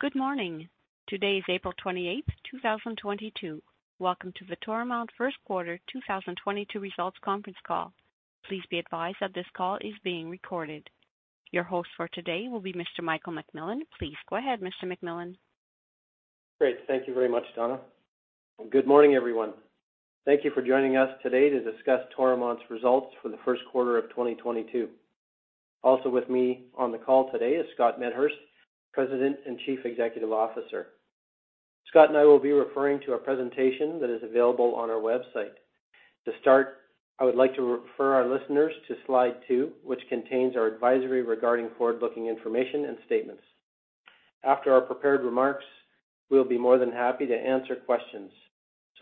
Good morning. Today is April twenty-eighth, 2022. Welcome to the Toromont first quarter 2022 results conference call. Please be advised that this call is being recorded. Your host for today will be Mr. Michael McMillan. Please go ahead, Mr. McMillan. Great. Thank you very much, Donna. Good morning, everyone. Thank you for joining us today to discuss Toromont's results for the first quarter of 2022. Also with me on the call today is Scott Medhurst, President and Chief Executive Officer. Scott and I will be referring to a presentation that is available on our website. To start, I would like to refer our listeners to slide two, which contains our advisory regarding forward-looking information and statements. After our prepared remarks, we'll be more than happy to answer questions.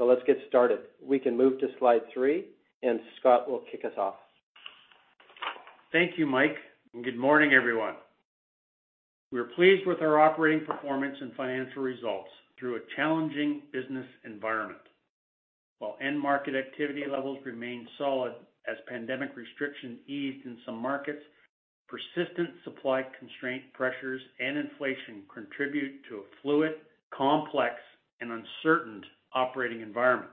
Let's get started. We can move to slide three, and Scott will kick us off. Thank you, Mike, and good morning, everyone. We are pleased with our operating performance and financial results through a challenging business environment. While end market activity levels remain solid as pandemic restrictions eased in some markets, persistent supply constraint pressures and inflation contribute to a fluid, complex, and uncertain operating environment.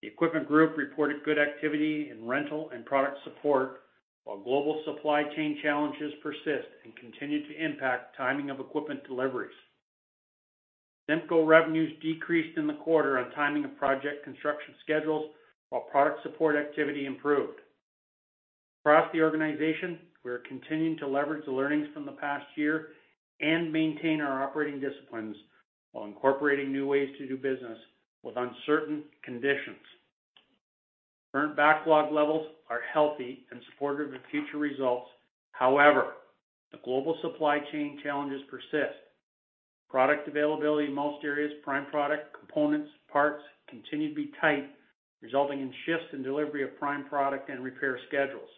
The Equipment Group reported good activity in rental and product support while global supply chain challenges persist and continue to impact timing of equipment deliveries. CIMCO revenues decreased in the quarter on timing of project construction schedules while product support activity improved. Across the organization, we are continuing to leverage the learnings from the past year and maintain our operating disciplines while incorporating new ways to do business with uncertain conditions. Current backlog levels are healthy and supportive of future results. However, the global supply chain challenges persist. Product availability in most areas, prime product, components, parts, continue to be tight, resulting in shifts in delivery of prime product and repair schedules.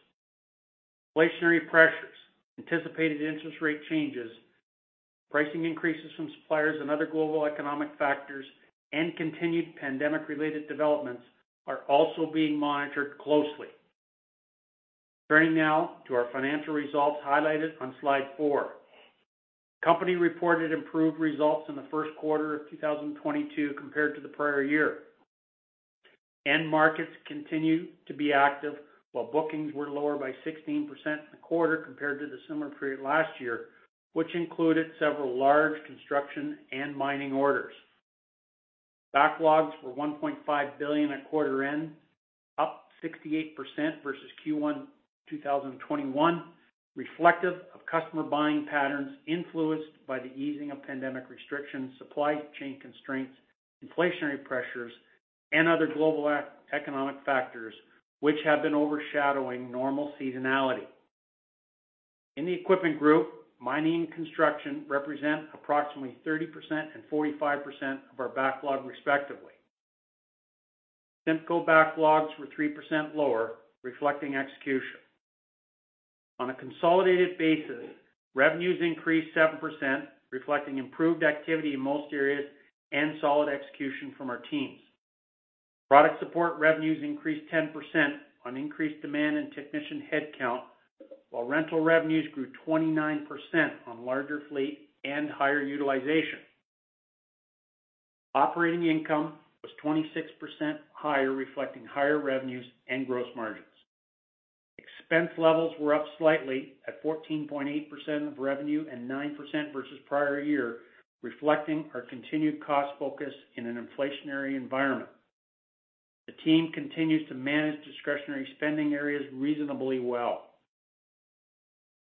Inflationary pressures, anticipated interest rate changes, pricing increases from suppliers and other global economic factors, and continued pandemic-related developments are also being monitored closely. Turning now to our financial results highlighted on slide four. Company reported improved results in the first quarter of 2022 compared to the prior year. End markets continued to be active while bookings were lower by 16% in the quarter compared to the similar period last year, which included several large construction and mining orders. Backlogs were 1.5 billion at quarter end, up 68% versus Q1 2021, reflective of customer buying patterns influenced by the easing of pandemic restrictions, supply chain constraints, inflationary pressures, and other global economic factors which have been overshadowing normal seasonality. In the Equipment Group, mining and construction represent approximately 30% and 45% of our backlog, respectively. CIMCO backlogs were 3% lower, reflecting execution. On a consolidated basis, revenues increased 7%, reflecting improved activity in most areas and solid execution from our teams. Product support revenues increased 10% on increased demand and technician headcount, while rental revenues grew 29% on larger fleet and higher utilization. Operating income was 26% higher, reflecting higher revenues and gross margins. Expense levels were up slightly at 14.8% of revenue and 9% versus prior year, reflecting our continued cost focus in an inflationary environment. The team continues to manage discretionary spending areas reasonably well.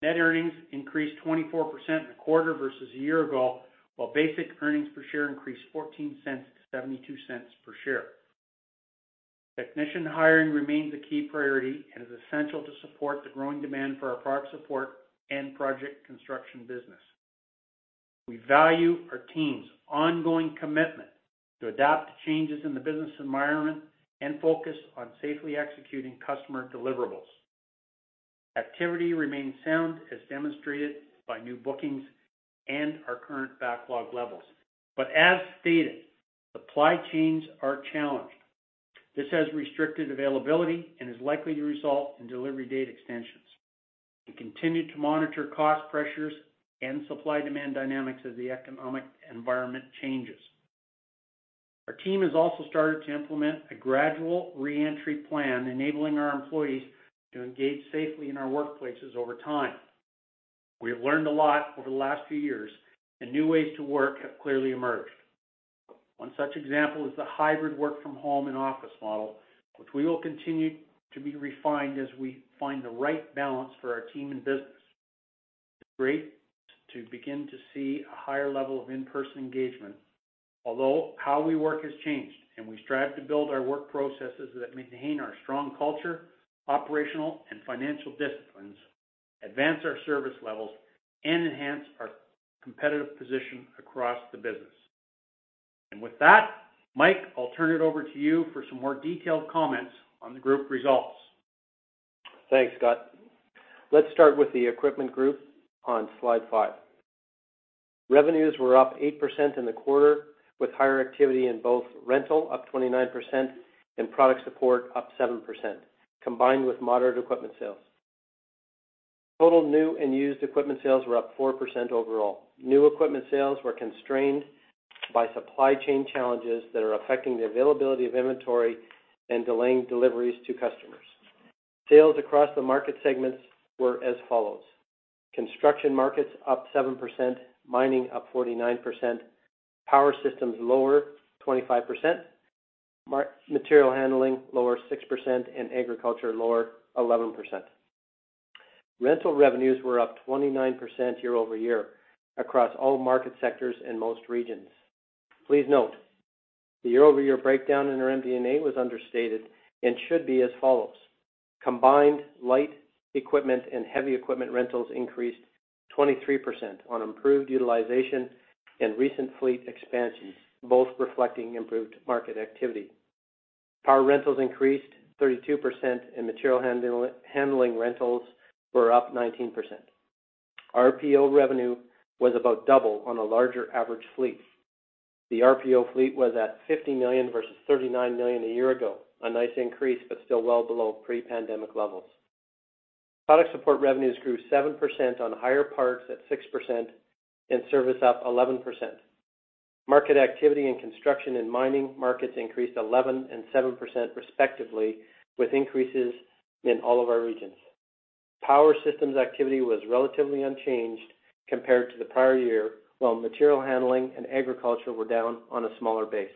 Net earnings increased 24% in the quarter versus a year ago, while basic earnings per share increased 0.14 to 0.72 per share. Technician hiring remains a key priority and is essential to support the growing demand for our product support and project construction business. We value our team's ongoing commitment to adapt to changes in the business environment and focus on safely executing customer deliverables. Activity remains sound as demonstrated by new bookings and our current backlog levels. As stated, supply chains are challenged. This has restricted availability and is likely to result in delivery date extensions. We continue to monitor cost pressures and supply-demand dynamics as the economic environment changes. Our team has also started to implement a gradual reentry plan, enabling our employees to engage safely in our workplaces over time. We have learned a lot over the last few years, and new ways to work have clearly emerged. One such example is the hybrid work from home and office model, which we will continue to be refined as we find the right balance for our team and business. It's great to begin to see a higher level of in-person engagement. Although how we work has changed, and we strive to build our work processes that maintain our strong culture, operational and financial disciplines, advance our service levels, and enhance our competitive position across the business. With that, Mike, I'll turn it over to you for some more detailed comments on the group results. Thanks, Scott. Let's start with the Equipment Group on slide 5. Revenues were up 8% in the quarter, with higher activity in both rental, up 29%, and product support, up 7%. Combined with moderate equipment sales. Total new and used equipment sales were up 4% overall. New equipment sales were constrained by supply chain challenges that are affecting the availability of inventory and delaying deliveries to customers. Sales across the market segments were as follows: construction markets up 7%, mining up 49%, power systems lower 25%, material handling lower 6%, and agriculture lower 11%. Rental revenues were up 29% year-over-year across all market sectors in most regions. Please note, the year-over-year breakdown in our MD&A was understated and should be as follows. Combined light equipment and heavy equipment rentals increased 23% on improved utilization and recent fleet expansions, both reflecting improved market activity. Power rentals increased 32% and material handling rentals were up 19%. RPO revenue was about double on a larger average fleet. The RPO fleet was at 50 million versus 39 million a year ago. A nice increase, but still well below pre-pandemic levels. Product support revenues grew 7% on higher parts at 6% and service up 11%. Market activity in construction and mining markets increased 11% and 7% respectively, with increases in all of our regions. Power systems activity was relatively unchanged compared to the prior year, while material handling and agriculture were down on a smaller base.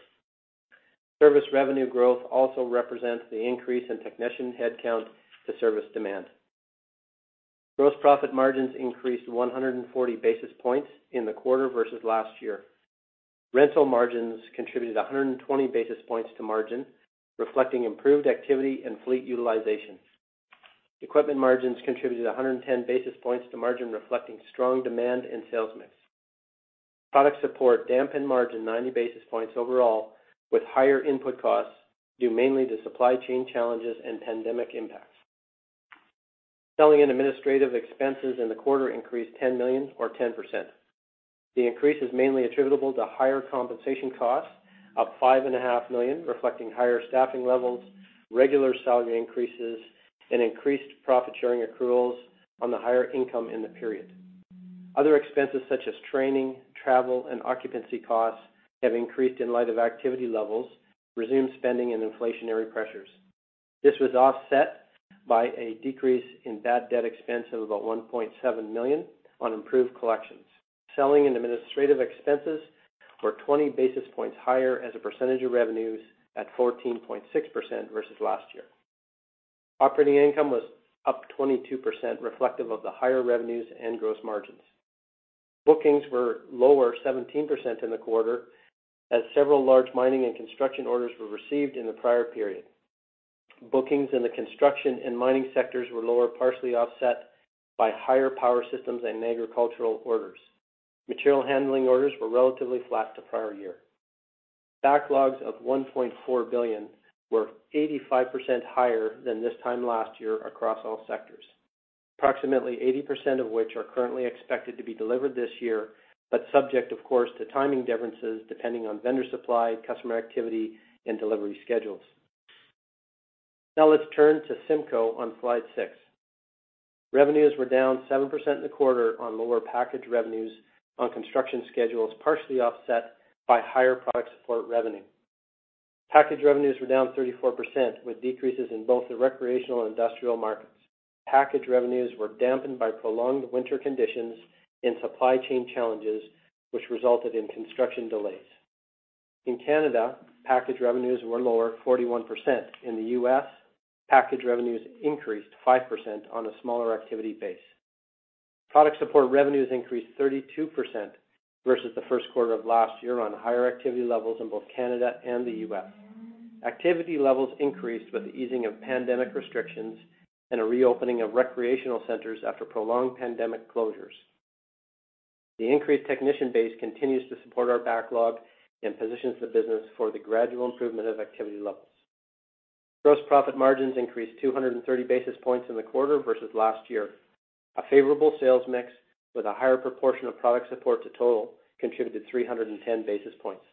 Service revenue growth also represents the increase in technician headcount to service demand. Gross profit margins increased 140 basis points in the quarter versus last year. Rental margins contributed 120 basis points to margin, reflecting improved activity and fleet utilization. Equipment margins contributed 110 basis points to margin, reflecting strong demand and sales mix. Product support dampened margin 90 basis points overall, with higher input costs due mainly to supply chain challenges and pandemic impacts. Selling and administrative expenses in the quarter increased 10 million or 10%. The increase is mainly attributable to higher compensation costs, up 5.5 million, reflecting higher staffing levels, regular salary increases, and increased profit sharing accruals on the higher income in the period. Other expenses, such as training, travel, and occupancy costs, have increased in light of activity levels, resumed spending and inflationary pressures. This was offset by a decrease in bad debt expense of about 1.7 million on improved collections. Selling and administrative expenses were 20 basis points higher as a percentage of revenues at 14.6% versus last year. Operating income was up 22% reflective of the higher revenues and gross margins. Bookings were lower 17% in the quarter as several large mining and construction orders were received in the prior period. Bookings in the construction and mining sectors were lower, partially offset by higher power systems and agricultural orders. Material handling orders were relatively flat to prior year. Backlogs of 1.4 billion were 85% higher than this time last year across all sectors, approximately 80% of which are currently expected to be delivered this year, but subject, of course, to timing differences depending on vendor supply, customer activity, and delivery schedules. Now let's turn to CIMCO on slide 6. Revenues were down 7% in the quarter on lower package revenues on construction schedules, partially offset by higher product support revenue. Package revenues were down 34%, with decreases in both the recreational and industrial markets. Package revenues were dampened by prolonged winter conditions and supply chain challenges, which resulted in construction delays. In Canada, package revenues were lower 41%. In the U.S., package revenues increased 5% on a smaller activity base. Product support revenues increased 32% versus the first quarter of last year on higher activity levels in both Canada and the U.S. Activity levels increased with the easing of pandemic restrictions and a reopening of recreational centers after prolonged pandemic closures. The increased technician base continues to support our backlog and positions the business for the gradual improvement of activity levels. Gross profit margins increased 230 basis points in the quarter versus last year. A favorable sales mix with a higher proportion of product support to total contributed 310 basis points.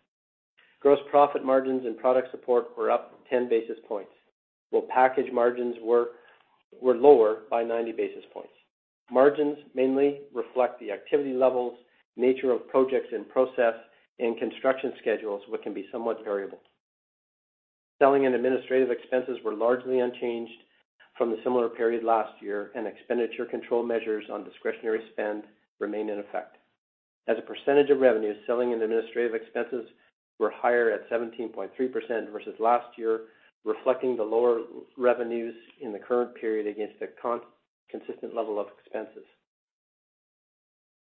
Gross profit margins and product support were up 10 basis points while package margins were lower by 90 basis points. Margins mainly reflect the activity levels, nature of projects in process and construction schedules, which can be somewhat variable. Selling and administrative expenses were largely unchanged from the similar period last year, and expenditure control measures on discretionary spend remain in effect. As a percentage of revenue, selling and administrative expenses were higher at 17.3% versus last year, reflecting the lower revenues in the current period against a consistent level of expenses.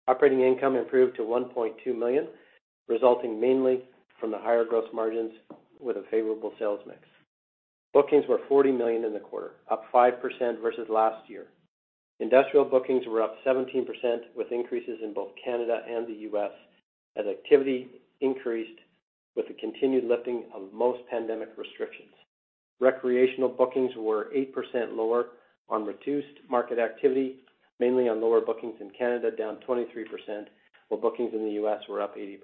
Operating income improved to 1.2 million, resulting mainly from the higher gross margins with a favorable sales mix. Bookings were 40 million in the quarter, up 5% versus last year. Industrial bookings were up 17%, with increases in both Canada and the U.S. as activity increased with the continued lifting of most pandemic restrictions. Recreational bookings were 8% lower on reduced market activity, mainly on lower bookings in Canada, down 23%, while bookings in the U.S. were up 80%.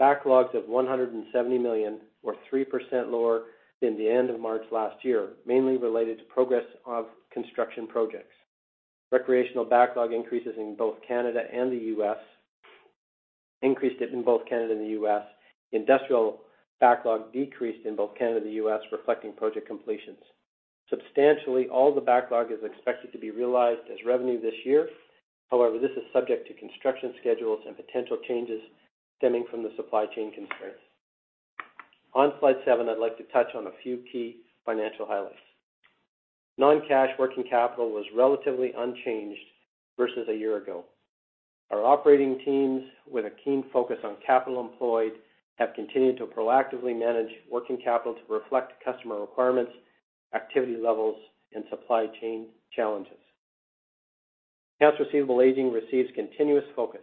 Backlogs of 170 million were 3% lower than the end of March last year, mainly related to progress of construction projects. Recreational backlog increased in both Canada and the U.S. Industrial backlog decreased in both Canada and the U.S., reflecting project completions. Substantially all the backlog is expected to be realized as revenue this year. However, this is subject to construction schedules and potential changes stemming from the supply chain concerns. On slide 7, I'd like to touch on a few key financial highlights. Non-cash working capital was relatively unchanged versus a year ago. Our operating teams, with a keen focus on capital employed, have continued to proactively manage working capital to reflect customer requirements, activity levels, and supply chain challenges. Cash receivable aging receives continuous focus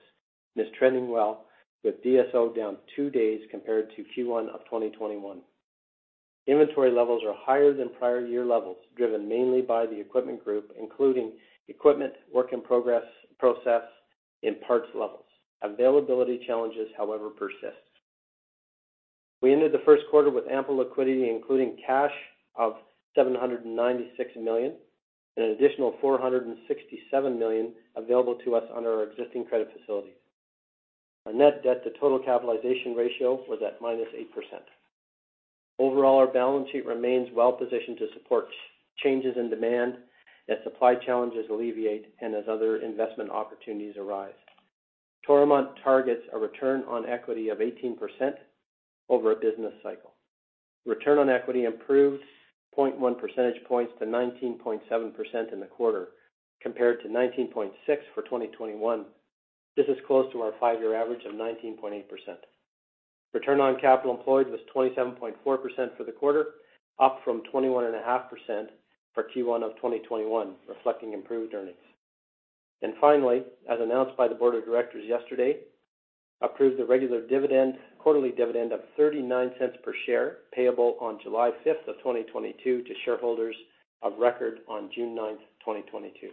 and is trending well, with DSO down two days compared to Q1 of 2021. Inventory levels are higher than prior year levels, driven mainly by the Equipment Group, including equipment work in process and parts levels. Availability challenges, however, persist. We ended the first quarter with ample liquidity, including cash of 796 million and an additional 467 million available to us under our existing credit facilities. Our net debt to total capitalization ratio was at -8%. Overall, our balance sheet remains well positioned to support changes in demand as supply challenges alleviate and as other investment opportunities arise. Toromont targets a return on equity of 18% over a business cycle. Return on equity improved 0.1 percentage points to 19.7% in the quarter, compared to 19.6% for 2021. This is close to our five-year average of 19.8%. Return on capital employed was 27.4% for the quarter, up from 21.5% for Q1 of 2021, reflecting improved earnings. Finally, as announced by the board of directors yesterday approved the regular quarterly dividend of 0.39 per share, payable on July 5, 2022 to shareholders of record on June 9, 2022.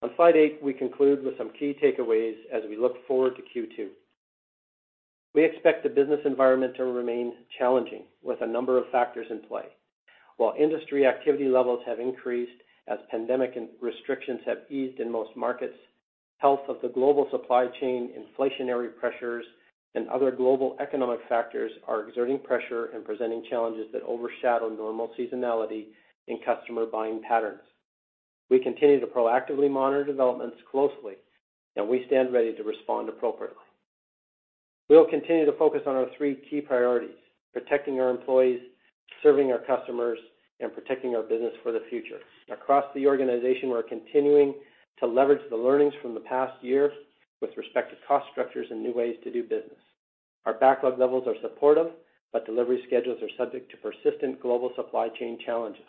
On slide 8, we conclude with some key takeaways as we look forward to Q2. We expect the business environment to remain challenging with a number of factors in play. While industry activity levels have increased as pandemic and restrictions have eased in most markets, health of the global supply chain, inflationary pressures, and other global economic factors are exerting pressure and presenting challenges that overshadow normal seasonality in customer buying patterns. We continue to proactively monitor developments closely, and we stand ready to respond appropriately. We will continue to focus on our three key priorities, protecting our employees, serving our customers, and protecting our business for the future. Across the organization, we're continuing to leverage the learnings from the past year with respect to cost structures and new ways to do business. Our backlog levels are supportive, but delivery schedules are subject to persistent global supply chain challenges.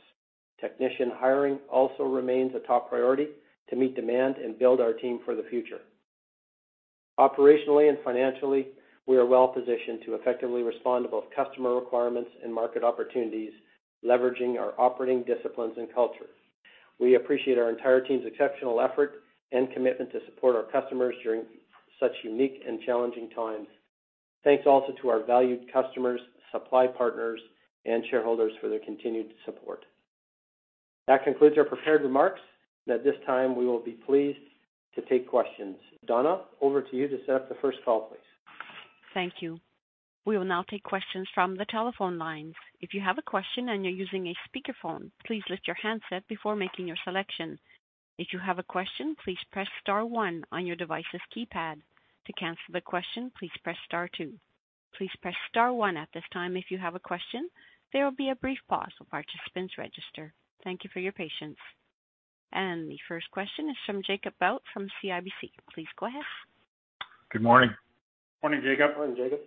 Technician hiring also remains a top priority to meet demand and build our team for the future. Operationally and financially, we are well positioned to effectively respond to both customer requirements and market opportunities, leveraging our operating disciplines and cultures. We appreciate our entire team's exceptional effort and commitment to support our customers during such unique and challenging times. Thanks also to our valued customers, supply partners, and shareholders for their continued support. That concludes our prepared remarks, and at this time, we will be pleased to take questions. Donna, over to you to set up the first call, please. Thank you. We will now take questions from the telephone lines. If you have a question and you're using a speaker phone, please lift your handset before making your selection. If you have a question, please press star one on your device's keypad. To cancel the question, please press star two. Please press star one at this time if you have a question. There will be a brief pause while participants register. Thank you for your patience. The first question is from Jacob Bout from CIBC. Please go ahead. Good morning. Morning, Jacob. Morning, Jacob.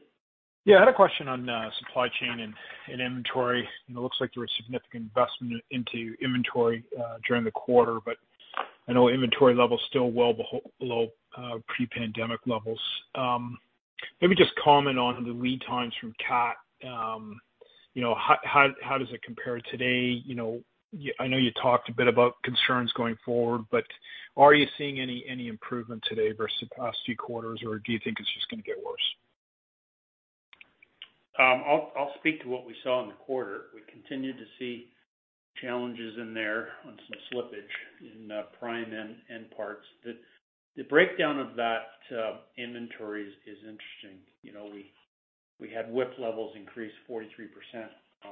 Yeah, I had a question on supply chain and inventory. You know, it looks like there was significant investment into inventory during the quarter, but I know inventory levels still well below pre-pandemic levels. Maybe just comment on the lead times from Cat. You know, how does it compare today? You know, I know you talked a bit about concerns going forward, but are you seeing any improvement today versus the past few quarters, or do you think it's just gonna get worse? I'll speak to what we saw in the quarter. We continued to see challenges in there on some slippage in prime end parts. The breakdown of that inventory is interesting. You know, we had WIP levels increase 43%. A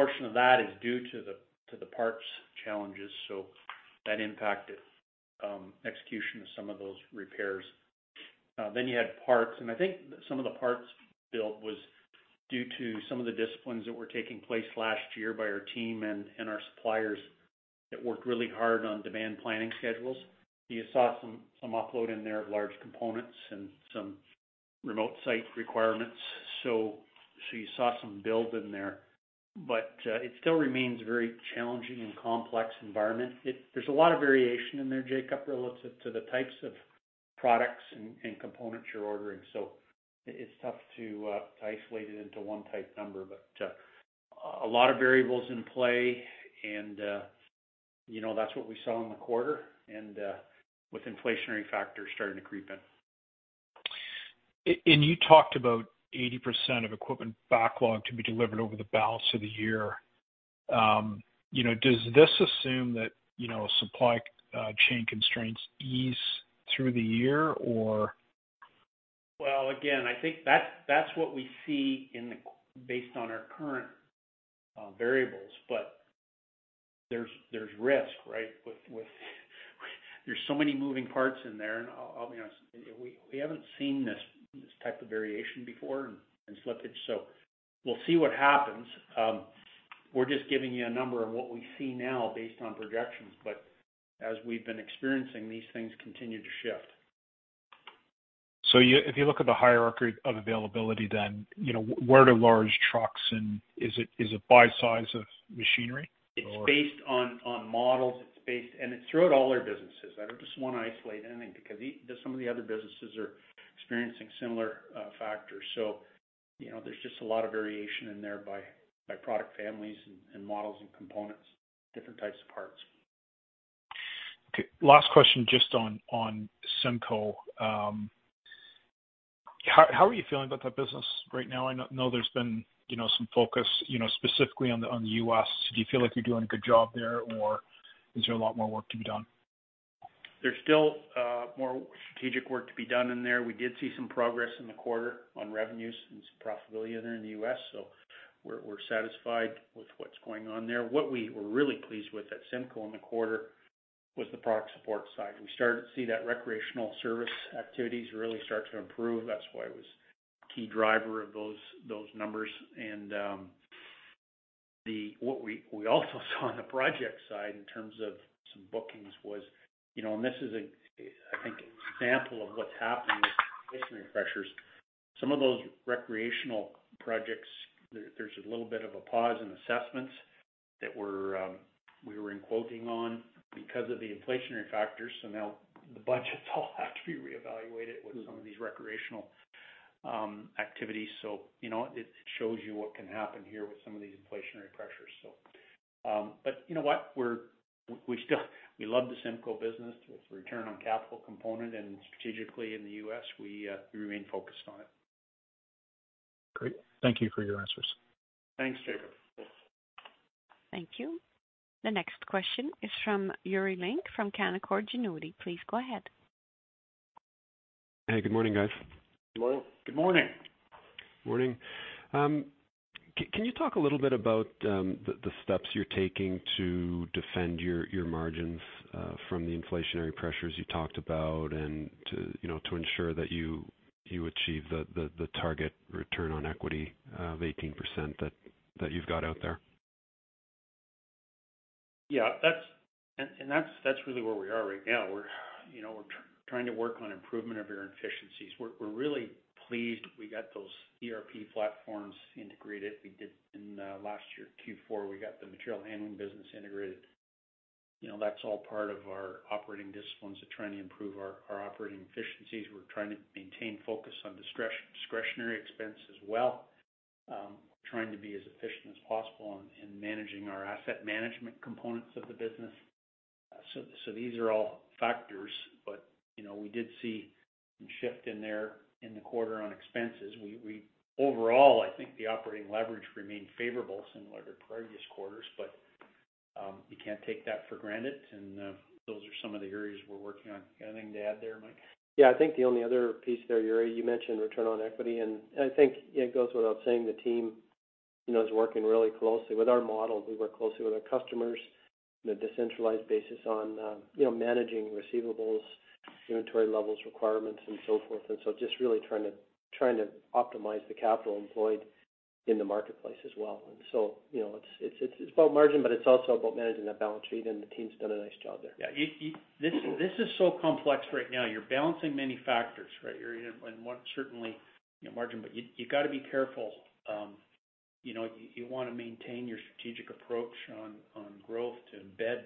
portion of that is due to the parts challenges, so that impacted execution of some of those repairs. You had parts, and I think some of the parts build was due to some of the disciplines that were taking place last year by our team and our suppliers that worked really hard on demand planning schedules. You saw some upload in there of large components and some remote site requirements. You saw some build in there, but it still remains very challenging and complex environment. There's a lot of variation in there, Jacob, relative to the types of products and components you're ordering. It's tough to isolate it into one tight number, but a lot of variables in play and You know, that's what we saw in the quarter and with inflationary factors starting to creep in. You talked about 80% of equipment backlog to be delivered over the balance of the year. You know, does this assume that, you know, supply chain constraints ease through the year, or? Well, again, I think that's what we see based on our current variables. There's risk, right? With, there's so many moving parts in there and I'll, you know. We haven't seen this type of variation before and slippage. We'll see what happens. We're just giving you a number of what we see now based on projections. As we've been experiencing, these things continue to shift. If you look at the hierarchy of availability, then, you know, where the large trucks and is it by size of machinery or? It's based on models. It's based throughout all our businesses. I don't just wanna isolate anything because some of the other businesses are experiencing similar factors. You know, there's just a lot of variation in there by product families and models and components, different types of parts. Okay. Last question, just on CIMCO. How are you feeling about that business right now? I know there's been, you know, some focus, you know, specifically on the U.S. Do you feel like you're doing a good job there, or is there a lot more work to be done? There's still more strategic work to be done in there. We did see some progress in the quarter on revenues and some profitability in the U.S.,, so we're satisfied with what's going on there. What we were really pleased with at CIMCO in the quarter was the product support side. We started to see that refrigeration service activities really start to improve. That's why it was key driver of those numbers. What we also saw on the project side in terms of some bookings was, you know, and this is a, I think, example of what's happening with inflationary pressures. Some of those refrigeration projects there's a little bit of a pause in assessments that we were quoting on because of the inflationary factors. Now the budgets all have to be reevaluated with some of these recreational activities. You know, it shows you what can happen here with some of these inflationary pressures. You know what? We still love the CIMCO business with return on capital component and strategically in the US, we remain focused on it. Great. Thank you for your answers. Thanks, Jacob. Thank you. The next question is from Yuri Lynk from Canaccord Genuity. Please go ahead. Hey, good morning, guys. Good morning. Good morning. Morning. Can you talk a little bit about the steps you're taking to defend your margins from the inflationary pressures you talked about and to, you know, to ensure that you achieve the target return on equity of 18% that you've got out there? Yeah, that's really where we are right now. We're, you know, trying to work on improvement of our efficiencies. We're really pleased we got those ERP platforms integrated. We did in last year, Q4, we got the material handling business integrated. You know, that's all part of our operating disciplines of trying to improve our operating efficiencies. We're trying to maintain focus on discretionary expense as well. Trying to be as efficient as possible in managing our asset management components of the business. These are all factors. You know, we did see some shift in there in the quarter on expenses. Overall, I think the operating leverage remained favorable similar to previous quarters, but you can't take that for granted. Those are some of the areas we're working on. Anything to add there, Mike? Yeah. I think the only other piece there, Yuri, you mentioned return on equity, and I think it goes without saying the team, you know, is working really closely with our model. We work closely with our customers in a decentralized basis on, you know, managing receivables, inventory levels, requirements and so forth. Just really trying to optimize the capital employed in the marketplace as well. You know, it's about margin, but it's also about managing that balance sheet, and the team's done a nice job there. Yeah. This is so complex right now. You're balancing many factors, right? You're in one certainly margin, but you gotta be careful. You know, you wanna maintain your strategic approach on growth to embed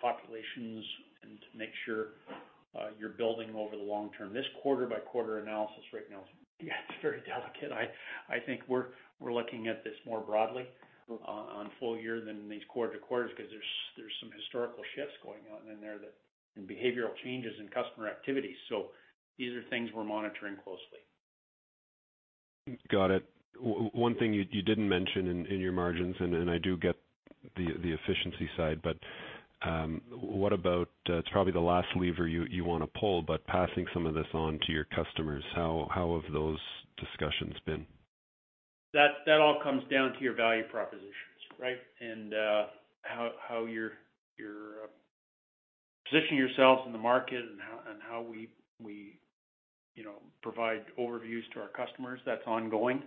populations and to make sure you're building over the long term. This quarter-by-quarter analysis right now is, yeah, it's very delicate. I think we're looking at this more broadly on full year than these quarter-to-quarter 'cause there's some historical shifts going on in there. Behavioral changes in customer activities. These are things we're monitoring closely. Got it. One thing you didn't mention in your margins, and I do get the efficiency side, but what about, it's probably the last lever you wanna pull, but passing some of this on to your customers, how have those discussions been? That all comes down to your value propositions, right? How you're positioning yourselves in the market and how we you know provide overviews to our customers. That's ongoing.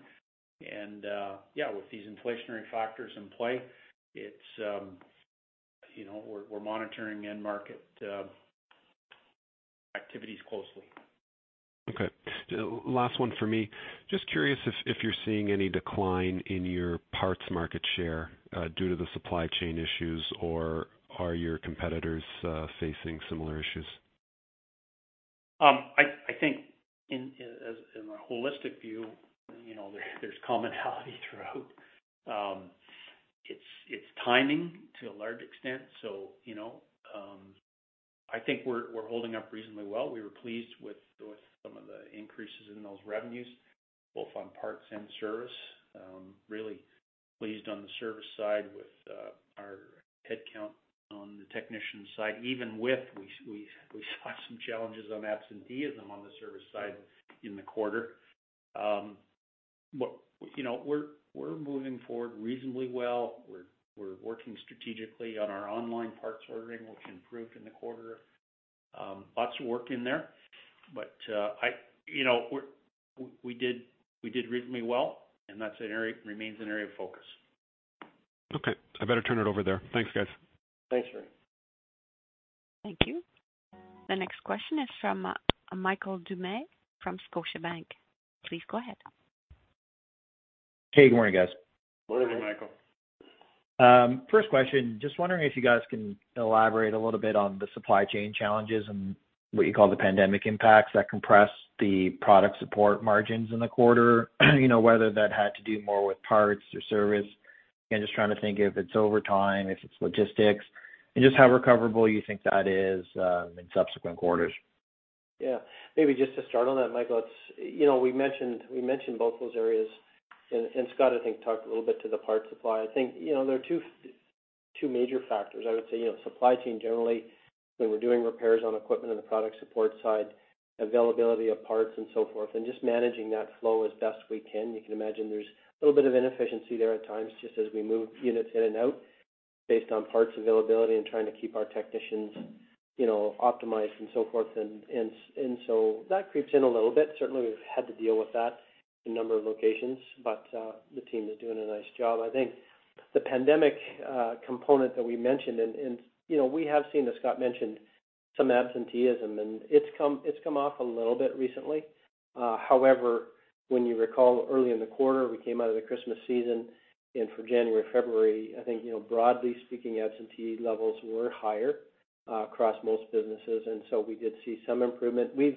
Yeah, with these inflationary factors in play, it's you know, we're monitoring end market activities closely. Okay. Last one for me. Just curious if you're seeing any decline in your parts market share, due to the supply chain issues, or are your competitors facing similar issues? I think in a holistic view, you know, there's commonality throughout. It's timing to a large extent. You know, I think we're holding up reasonably well. We were pleased with some of the increases in those revenues, both on parts and service. Really pleased on the service side with our headcount on the technician side, even though we saw some challenges on absenteeism on the service side in the quarter. You know, we're moving forward reasonably well. We're working strategically on our online parts ordering, which improved in the quarter. Lots of work in there, but we did reasonably well, and that remains an area of focus. Okay. I better turn it over there. Thanks, guys. Thanks, Yuri Lynk. Thank you. The next question is from, Michael Doumet from Scotiabank. Please go ahead. Hey, good morning, guys. Morning. Morning, Michael. First question, just wondering if you guys can elaborate a little bit on the supply chain challenges and what you call the pandemic impacts that compress the product support margins in the quarter. You know, whether that had to do more with parts or service? Again, just trying to think if it's over time, if it's logistics, and just how recoverable you think that is, in subsequent quarters. Yeah. Maybe just to start on that, Michael, it's you know, we mentioned both those areas, and Scott, I think, talked a little bit to the parts supply. I think, you know, there are two major factors. I would say, you know, supply chain generally, when we're doing repairs on equipment and the product support side, availability of parts and so forth, and just managing that flow as best we can. You can imagine there's a little bit of inefficiency there at times, just as we move units in and out based on parts availability and trying to keep our technicians, you know, optimized and so forth. So that creeps in a little bit. Certainly, we've had to deal with that in a number of locations, but the team is doing a nice job. I think the pandemic component that we mentioned and, you know, we have seen, as Scott mentioned, some absenteeism, and it's come off a little bit recently. However, when you recall early in the quarter, we came out of the Christmas season, and for January, February, I think, you know, broadly speaking, absentee levels were higher across most businesses, and so we did see some improvement. We've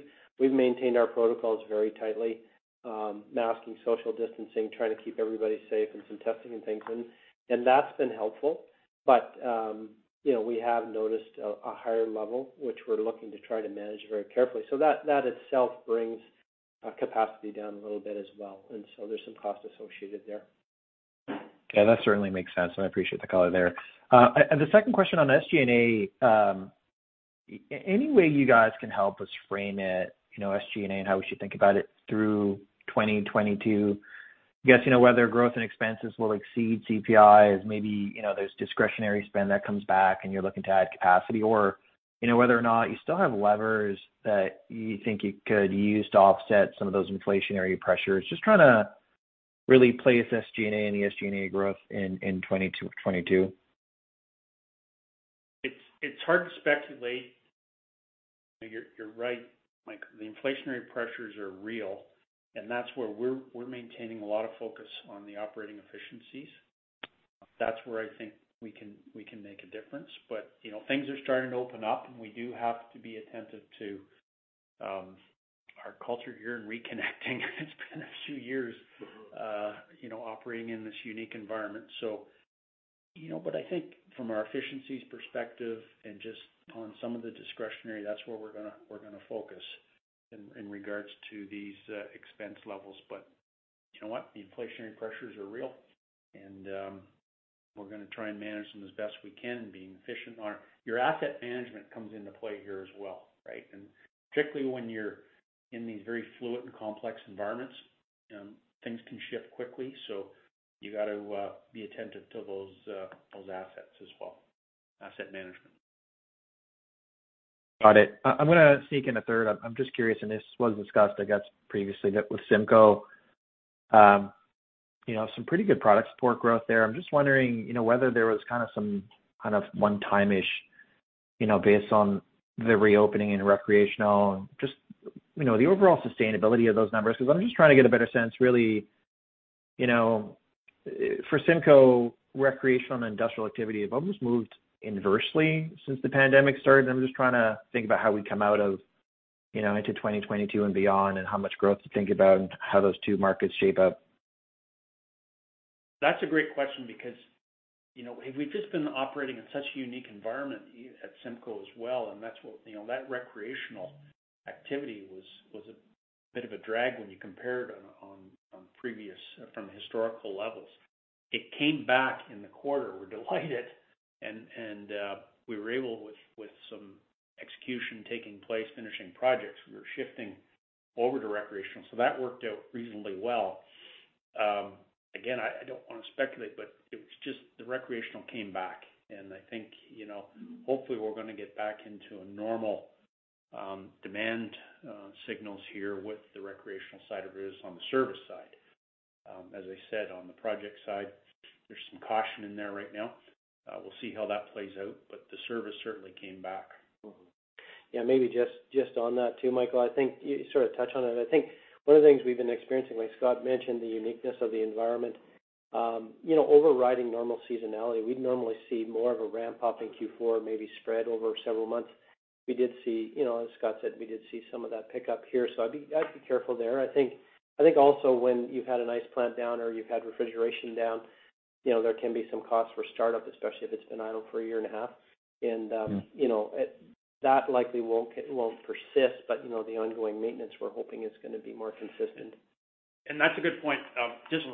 maintained our protocols very tightly, masking, social distancing, trying to keep everybody safe and some testing and things, and that's been helpful. You know, we have noticed a higher level, which we're looking to try to manage very carefully. That itself brings capacity down a little bit as well, and so there's some cost associated there. Yeah, that certainly makes sense, and I appreciate the color there. The second question on SG&A, any way you guys can help us frame it, you know, SG&A and how we should think about it through 2022? Guess, you know, whether growth and expenses will exceed CPI as maybe, you know, there's discretionary spend that comes back and you're looking to add capacity or, you know, whether or not you still have levers that you think you could use to offset some of those inflationary pressures. Just trying to really place SG&A and SG&A growth in 2020 to 2022. It's hard to speculate. You're right, Mike. The inflationary pressures are real, and that's where we're maintaining a lot of focus on the operating efficiencies. That's where I think we can make a difference. You know, things are starting to open up, and we do have to be attentive to our culture here in reconnecting. It's been a few years, you know, operating in this unique environment. You know, I think from our efficiencies perspective and just on some of the discretionary, that's where we're gonna focus in regards to these expense levels. You know what? The inflationary pressures are real, and we're gonna try and manage them as best we can, being efficient. Your asset management comes into play here as well, right? Particularly when you're in these very fluid and complex environments, things can shift quickly, so you gotta be attentive to those assets as well, asset management. Got it. I'm gonna sneak in a third. I'm just curious, and this was discussed, I guess, previously with CIMCO. You know, some pretty good product support growth there. I'm just wondering, you know, whether there was kinda some kind of one-time-ish, you know, based on the reopening in recreational, just, you know, the overall sustainability of those numbers. 'Cause I'm just trying to get a better sense really, you know, for CIMCO recreational and industrial activity have almost moved inversely since the pandemic started, and I'm just trying to think about how we come out of, you know, into 2022 and beyond and how much growth to think about and how those two markets shape up. That's a great question because, you know, we've just been operating in such a unique environment at CIMCO as well, and that's what. You know, that recreational activity was a bit of a drag when you compare it on previous from historical levels. It came back in the quarter. We're delighted. We were able, with some execution taking place, finishing projects, we were shifting over to recreational. So that worked out reasonably well. Again, I don't wanna speculate, but it was just the recreational came back. I think, you know, hopefully we're gonna get back into a normal demand signals here with the recreational side of it is on the service side. As I said, on the project side, there's some caution in there right now. We'll see how that plays out, but the service certainly came back. Yeah. Maybe just on that too, Michael. I think you sort of touched on it. I think one of the things we've been experiencing, like Scott mentioned, the uniqueness of the environment. You know, overriding normal seasonality, we'd normally see more of a ramp up in Q4, maybe spread over several months. We did see. You know, as Scott said, we did see some of that pick-up here, so I'd be careful there. I think also when you've had an ice plant down or you've had refrigeration down, you know, there can be some costs for startup, especially if it's been idle for a year and a half. Mm-hmm. You know, that likely won't persist, but you know, the ongoing maintenance we're hoping is gonna be more consistent. That's a good point. Just,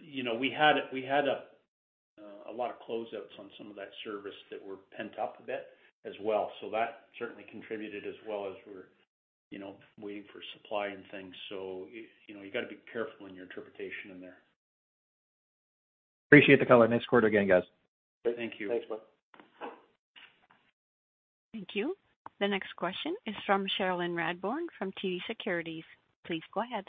you know, we had a lot of closeouts on some of that service that were pent up a bit as well. That certainly contributed as well as we're, you know, waiting for supply and things. You know, you gotta be careful in your interpretation in there. Appreciate the color. Nice quarter again, guys. Thank you. Thanks, bud. Thank you. The next question is from Cherilyn Radbourne from TD Securities. Please go ahead.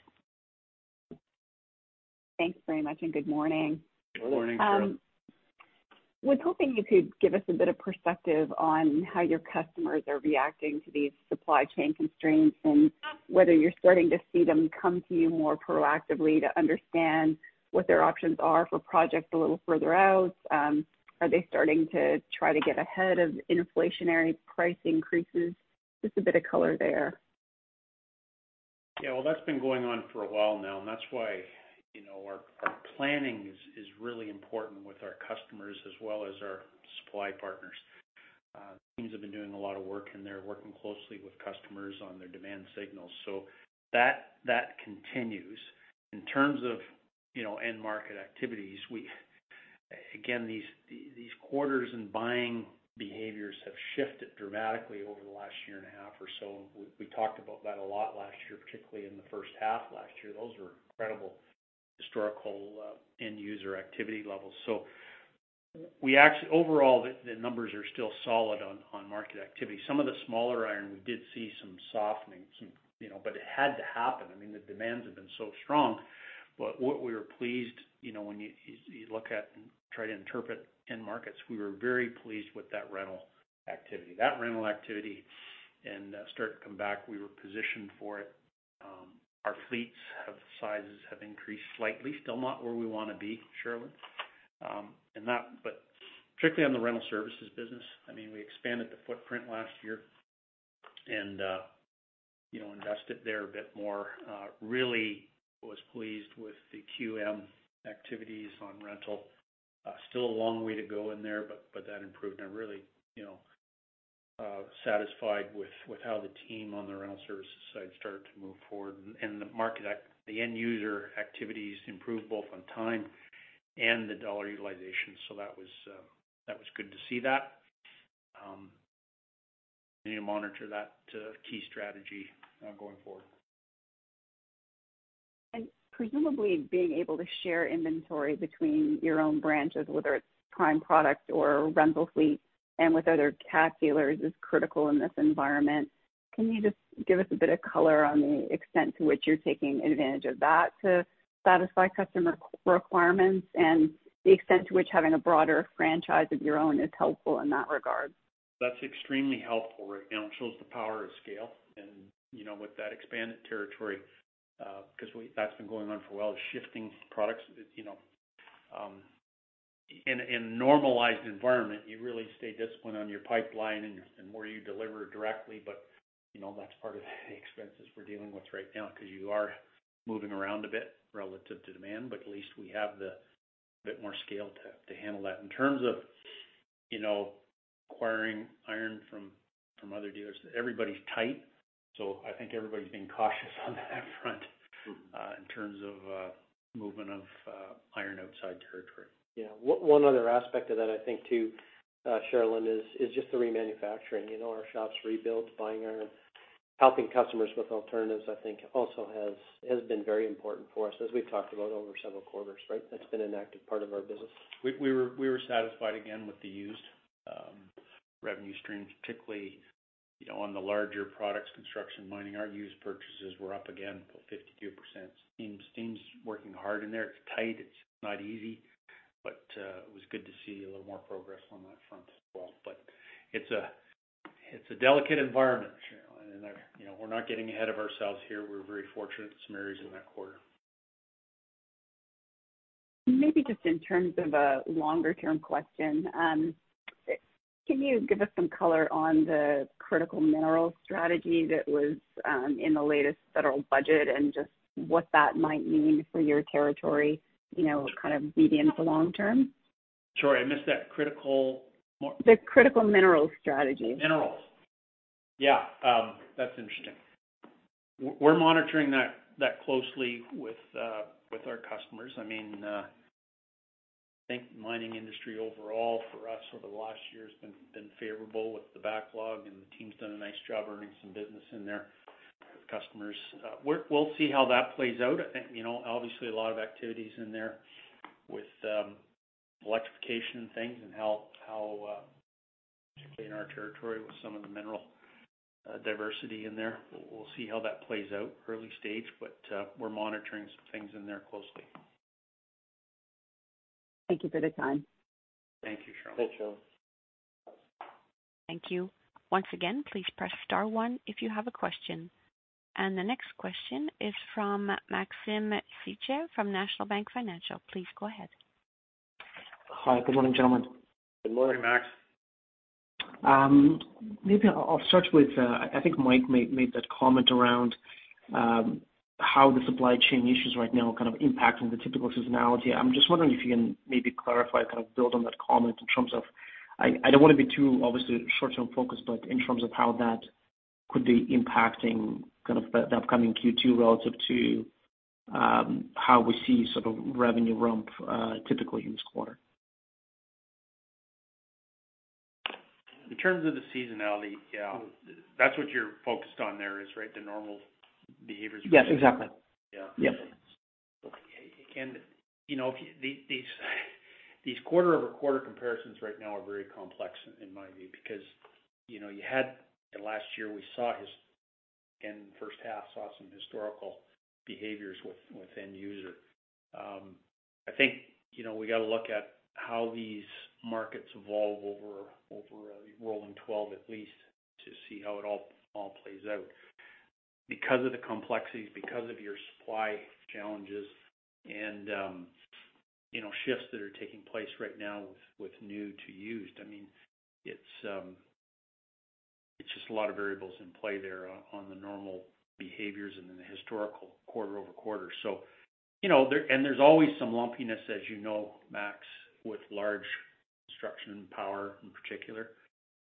Thanks very much, and good morning. Good morning, Cheryl. Was hoping you could give us a bit of perspective on how your customers are reacting to these supply chain constraints, and whether you're starting to see them come to you more proactively to understand what their options are for projects a little further out. Are they starting to try to get ahead of inflationary price increases? Just a bit of color there. Yeah. Well, that's been going on for a while now, and that's why, you know, our planning is really important with our customers as well as our supply partners. We've been doing a lot of work in there, working closely with customers on their demand signals. That continues. In terms of, you know, end market activities, again, these quarters and buying behaviors have shifted dramatically over the last year and a half or so. We talked about that a lot last year, particularly in the first half last year. Those were incredibly historic end user activity levels. Overall, the numbers are still solid on market activity. Some of the smaller iron, we did see some softening. It had to happen. I mean, the demands have been so strong. What we were pleased, you know, when you look at and try to interpret end markets, we were very pleased with that rental activity. That rental activity and start to come back, we were positioned for it. Our fleets sizes have increased slightly. Still not where we wanna be, Cheryl, and that. Strictly on the rental services business, I mean, we expanded the footprint last year and, you know, invested there a bit more. Really was pleased with the Quebec and Maritimes activities on rental. Still a long way to go in there, but that improved. I'm really, you know, satisfied with how the team on the rental services side started to move forward. The end user activities improved both on time and the dollar utilization. That was good to see that. Continue to monitor that key strategy going forward. Presumably, being able to share inventory between your own branches, whether it's prime product or rental fleet, and with other Cat dealers, is critical in this environment. Can you just give us a bit of color on the extent to which you're taking advantage of that to satisfy customer requirements and the extent to which having a broader franchise of your own is helpful in that regard? That's extremely helpful right now. It shows the power of scale and, you know, with that expanded territory. That's been going on for a while, is shifting products, you know. In a normalized environment, you really stay disciplined on your pipeline and where you deliver directly. You know, that's part of the expenses we're dealing with right now, 'cause you are moving around a bit relative to demand. At least we have a bit more scale to handle that. In terms of, you know, acquiring iron from other dealers, everybody's tight, so I think everybody's being cautious on that front, in terms of movement of iron outside territory. Yeah. One other aspect of that I think too, Cheryl, is just the remanufacturing. You know, our shops rebuild buying iron, helping customers with alternatives, I think, also has been very important for us as we've talked about over several quarters, right? That's been an active part of our business. We were satisfied again with the used revenue streams, particularly, you know, on the larger products, construction, mining. Our used purchases were up again, about 52%. Team's working hard in there. It's tight. It's not easy. It was good to see a little more progress on that front as well. It's a delicate environment, Cheryl, and, you know, we're not getting ahead of ourselves here. We're very fortunate with some areas in that quarter. Maybe just in terms of a longer-term question, can you give us some color on the critical minerals strategy that was in the latest federal budget and just what that might mean for your territory, you know, kind of medium to long term? Sorry, I missed that. The critical minerals strategy. Minerals. Yeah. That's interesting. We're monitoring that closely with our customers. I mean, I think mining industry overall for us over the last year has been favorable with the backlog, and the team's done a nice job earning some business in there with customers. We'll see how that plays out. You know, obviously a lot of activities in there with electrification and things, and how particularly in our territory with some of the mineral diversity in there. We'll see how that plays out. Early stage, but we're monitoring some things in there closely., Thank you for the time. Thank you, Cheryl. Thanks, Cheryl. Thank you. Once again, please press star one if you have a question. The next question is from Maxim Sytchev from National Bank Financial. Please go ahead. Hi, good morning, gentlemen. Good morning, Max. Maybe I'll start with, I think Mike made that comment around how the supply chain issues right now are kind of impacting the typical seasonality. I'm just wondering if you can maybe clarify, kind of build on that comment in terms of I don't wanna be too obviously short-term focused, but in terms of how that could be impacting kind of the upcoming Q2 relative to how we see sort of revenue ramp typical in this quarter. In terms of the seasonality, yeah. That's what you're focused on there is, right, the normal behaviors? Yes, exactly. Yeah. Yes. You know, these quarter-over-quarter comparisons right now are very complex in my view, because you know, you had the last year we saw in the first half saw some historical behaviors with end user. I think, you know, we gotta look at how these markets evolve over a rolling twelve at least to see how it all plays out. Because of the complexities, because of your supply challenges and you know, shifts that are taking place right now with new to used. I mean, it's just a lot of variables in play there on the normal behaviors and then the historical quarter-over-quarter. You know, there's always some lumpiness, as you know, Max, with large construction and power in particular,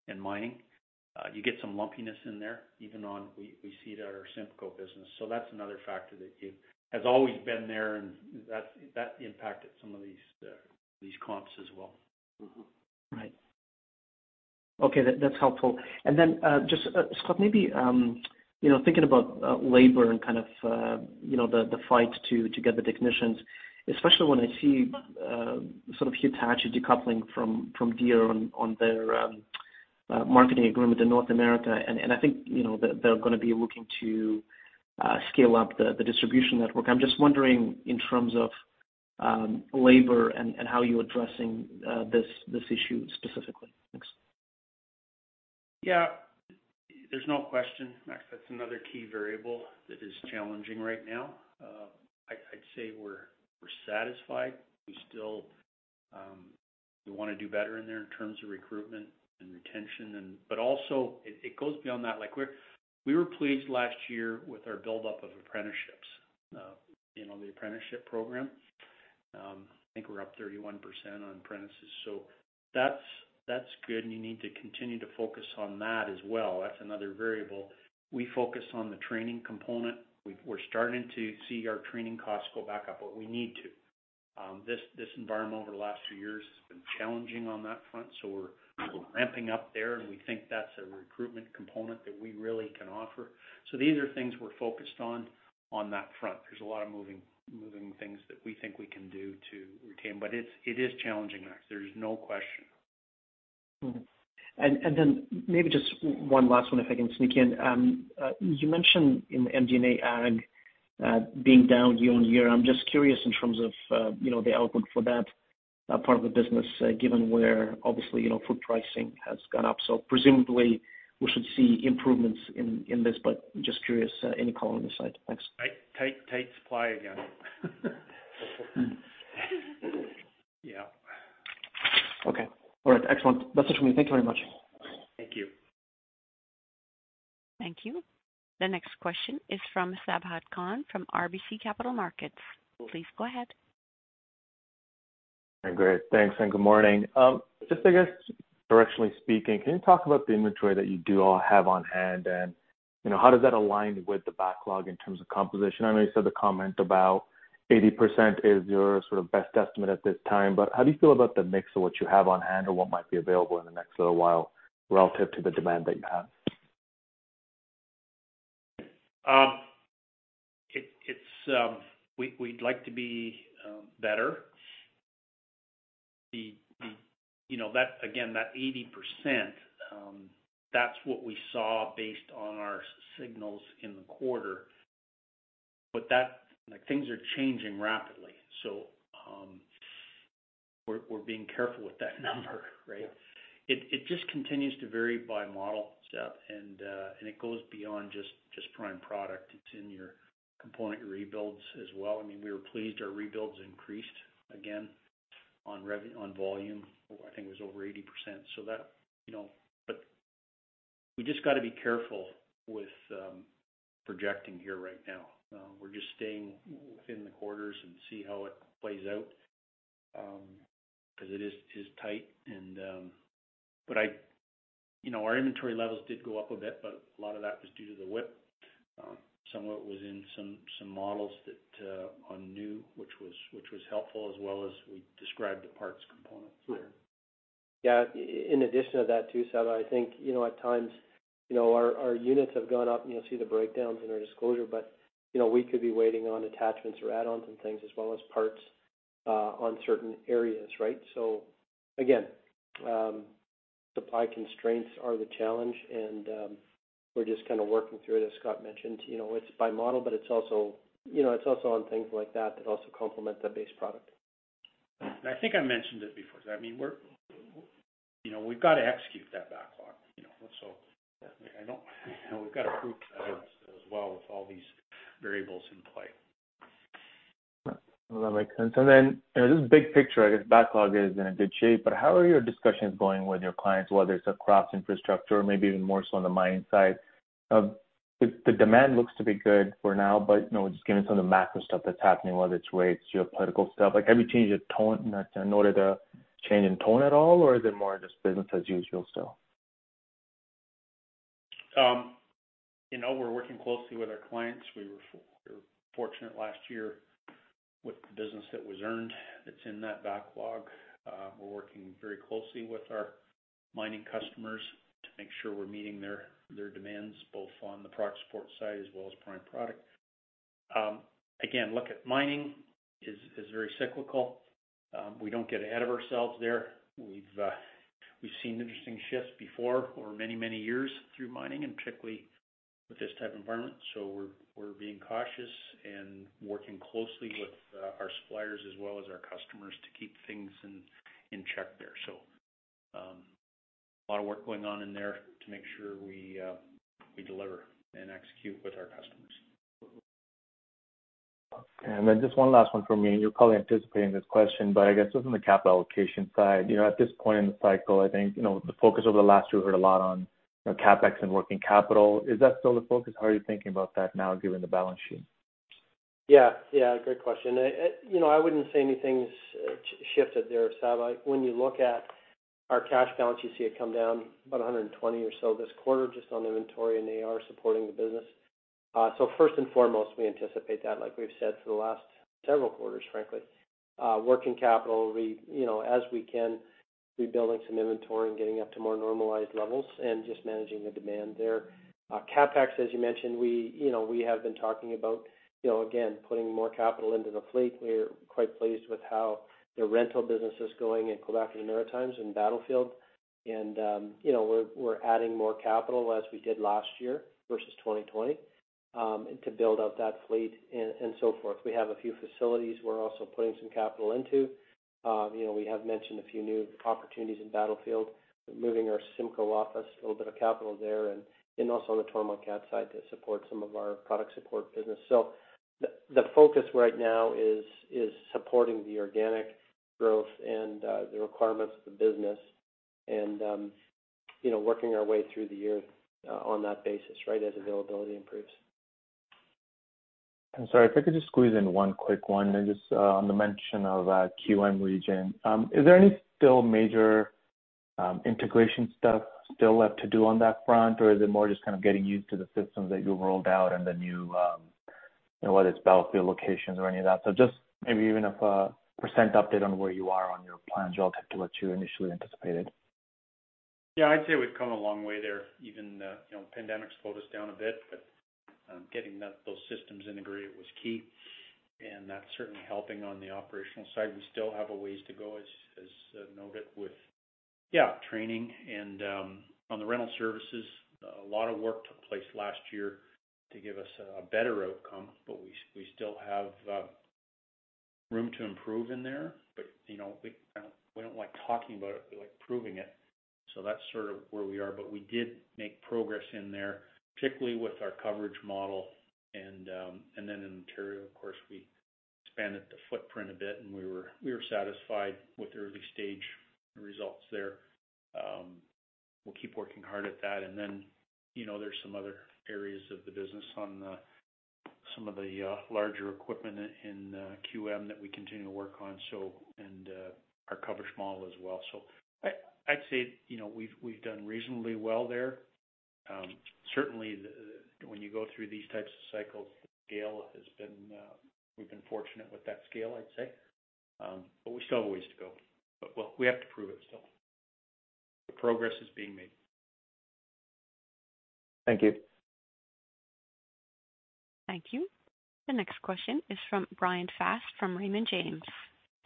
and mining. You get some lumpiness in there. We see it at our CIMCO business. That's another factor that has always been there and that impacted some of these comps as well. Right. Okay, that's helpful. Scott, maybe you know, thinking about labor and kind of you know, the fight to get the technicians, especially when I see sort of Hitachi decoupling from Deere on their marketing agreement in North America. I think you know, they're gonna be looking to scale up the distribution network. I'm just wondering in terms of labor and how you're addressing this issue specifically. Thanks. Yeah. There's no question, Max. That's another key variable that is challenging right now. I'd say we're satisfied. We still wanna do better in there in terms of recruitment and retention. Also it goes beyond that. Like we were pleased last year with our buildup of apprenticeships, you know, the apprenticeship program. I think we're up 31% on apprentices, so that's good, and you need to continue to focus on that as well. That's another variable. We focus on the training component. We're starting to see our training costs go back up, but we need to. This environment over the last few years has been challenging on that front, so we're ramping up there, and we think that's a recruitment component that we really can offer. These are things we're focused on that front. There's a lot of moving things that we think we can do to retain. It is challenging, Max, there's no question. Then maybe just one last one, if I can sneak in. You mentioned in MD&A SG&A being down year-over-year. I'm just curious in terms of, you know, the outlook for that part of the business, given where obviously, you know, food pricing has gone up. Presumably we should see improvements in this, but just curious, any call on this side. Thanks. Tight supply again. Yeah. Okay. All right. Excellent. That's it for me. Thank you very much. Thank you. Thank you. The next question is from Sabahat Khan from RBC Capital Markets. Please go ahead. Great. Thanks, and good morning. Just I guess directionally speaking, can you talk about the inventory that you do all have on hand? And, you know, how does that align with the backlog in terms of composition? I know you said the comment about 80% is your sort of best estimate at this time, but how do you feel about the mix of what you have on hand or what might be available in the next little while relative to the demand that you have? We'd like to be better. You know, that again, that 80%, that's what we saw based on our signals in the quarter. That, like, things are changing rapidly. We're being careful with that number, right? It just continues to vary by model, Sab, and it goes beyond just prime product. It's in your component rebuilds as well. I mean, we were pleased our rebuilds increased again on volume. I think it was over 80%. That, you know. We just gotta be careful with projecting here right now. We're just staying within the quarters and see how it plays out, 'cause it is tight and. I, you know, our inventory levels did go up a bit, but a lot of that was due to the WIP. Some of it was in some models that are new, which was helpful as well as we described the parts and components there. Yeah. In addition to that too, Sabahat, I think, you know, at times, you know, our units have gone up and you'll see the breakdowns in our disclosure, but, you know, we could be waiting on attachments or add-ons and things as well as parts on certain areas, right? So again, supply constraints are the challenge and, we're just kinda working through it as Scott mentioned. You know, it's by model, but it's also, you know, it's also on things like that also complement the base product. I think I mentioned it before. I mean, we're, you know, we've got to execute that backlog, you know. We've got to prove that as well with all these variables in play. Well, that makes sense. You know, just big picture, I guess backlog is in a good shape, but how are your discussions going with your clients, whether it's across infrastructure or maybe even more so on the mining side? The demand looks to be good for now, but, you know, just given some of the macro stuff that's happening, whether it's rates, geopolitical stuff, like, have you changed your tone? Not noted a change in tone at all, or is it more just business as usual still? You know, we're working closely with our clients. We were fortunate last year with the business that was earned, that's in that backlog. We're working very closely with our mining customers to make sure we're meeting their demands, both on the product support side as well as prime product. Again, look at mining is very cyclical. We don't get ahead of ourselves there. We've seen interesting shifts before over many years through mining, and particularly with this type of environment. We're being cautious and working closely with our suppliers as well as our customers to keep things in check there. A lot of work going on in there to make sure we deliver and execute with our customers. Just one last one from me. You're probably anticipating this question, but I guess just on the capital allocation side. You know, at this point in the cycle, I think, you know, the focus over the last year we heard a lot on, you know, CapEx and working capital. Is that still the focus? How are you thinking about that now given the balance sheet? Yeah. Yeah, great question. You know, I wouldn't say anything's shifted there, Sat. Like, when you look at our cash balance, you see it come down about 120 or so this quarter just on inventory and AR supporting the business. First and foremost, we anticipate that, like we've said for the last several quarters, frankly. Working capital, you know, as we can, rebuilding some inventory and getting up to more normalized levels and just managing the demand there. CapEx, as you mentioned, you know, we have been talking about, you know, again, putting more capital into the fleet. We're quite pleased with how the rental business is going in Quebec and the Maritimes in Battlefield. You know, we're adding more capital as we did last year versus 2020 to build out that fleet and so forth. We have a few facilities we're also putting some capital into. You know, we have mentioned a few new opportunities in Battlefield, moving our Simcoe office, a little bit of capital there and also on the Toromont Cat side to support some of our product support business. The focus right now is supporting the organic growth and the requirements of the business and you know, working our way through the year on that basis, right, as availability improves. I'm sorry, if I could just squeeze in one quick one just on the mention of Quebec and Maritimes region. Is there any still major integration stuff still left to do on that front? Or is it more just kind of getting used to the systems that you've rolled out and the new you know, whether it's Battlefield locations or any of that? Just maybe even a percent update on where you are on your plans relative to what you initially anticipated. Yeah, I'd say we've come a long way there. Even the, you know, pandemic slowed us down a bit, but getting those systems integrated was key, and that's certainly helping on the operational side. We still have a ways to go, as noted with training and on the rental services. A lot of work took place last year to give us a better outcome, but we still have room to improve in there. You know, we don't like talking about it, we like proving it. That's sort of where we are. We did make progress in there, particularly with our coverage model and then in Ontario of course we expanded the footprint a bit and we were satisfied with the early stage results there. We'll keep working hard at that. You know, there's some other areas of the business on some of the larger equipment in QM that we continue to work on, so and our coverage model as well. I'd say, you know, we've done reasonably well there. Certainly, when you go through these types of cycles, the scale has been, we've been fortunate with that scale, I'd say. We still have a ways to go. We have to prove it still. Progress is being made. Thank you. Thank you. The next question is from Bryan Fast from Raymond James.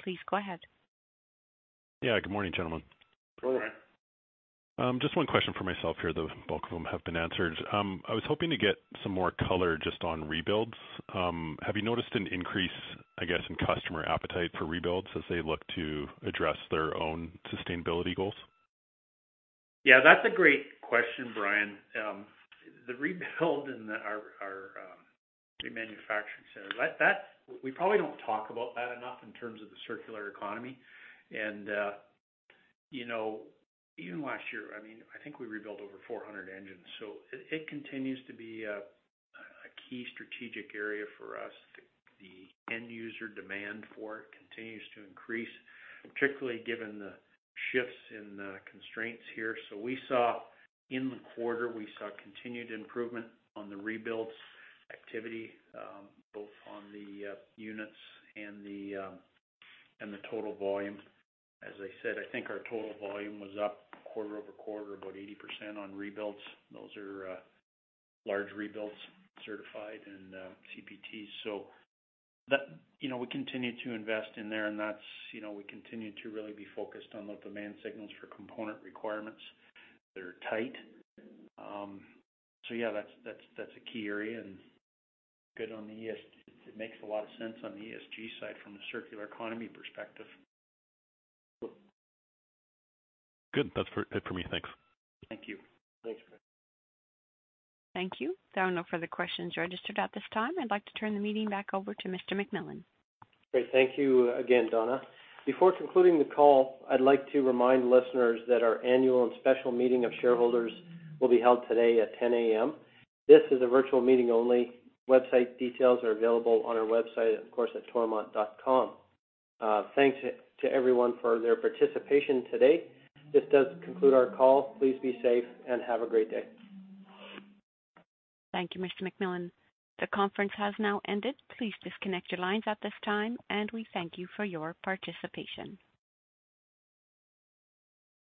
Please go ahead. Yeah. Good morning, gentlemen. Good morning. Just one question from myself here, though the bulk of them have been answered. I was hoping to get some more color just on rebuilds. Have you noticed an increase, I guess, in customer appetite for rebuilds as they look to address their own sustainability goals? Yeah, that's a great question, Brian. The rebuild in our remanufacturing center. We probably don't talk about that enough in terms of the circular economy. You know, even last year, I mean, I think we rebuilt over 400 engines, so it continues to be a key strategic area for us. The end user demand for it continues to increase, particularly given the shifts in the constraints here. We saw, in the quarter, continued improvement on the rebuilds activity, both on the units and the total volume. As I said, I think our total volume was up quarter-over-quarter about 80% on rebuilds. Those are large rebuilds, certified and CPTs. that, you know, we continue to invest in there and that's, you know, we continue to really be focused on the demand signals for component requirements that are tight. Yeah, that's a key area and good on the ESG, it makes a lot of sense on the ESG side from a circular economy perspective. Good. That's it for me. Thanks. Thank you. Thanks, Bryan. Thank you. There are no further questions registered at this time. I'd like to turn the meeting back over to Mr. McMillan. Great. Thank you again, Donna. Before concluding the call, I'd like to remind listeners that our annual and special meeting of shareholders will be held today at 10:00 AM. This is a virtual meeting only. Website details are available on our website, of course, at toromont.com. Thanks to everyone for their participation today. This does conclude our call. Please be safe and have a great day. Thank you, Mr. McMillan. The conference has now ended. Please disconnect your lines at this time, and we thank you for your participation.